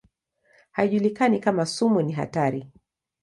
Haijulikani kama sumu ni hatari.